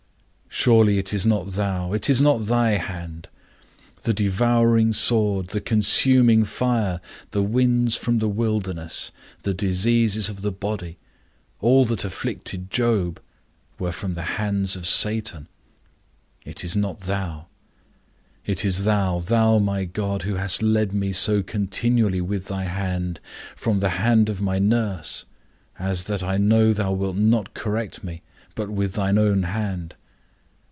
Surely it is not thou, it is not thy hand. The devouring sword, the consuming fire, the winds from the wilderness, the diseases of the body, all that afflicted Job, were from the hands of Satan; it is not thou. It is thou, thou my God, who hast led me so continually with thy hand, from the hand of my nurse, as that I know thou wilt not correct me, but with thine own hand.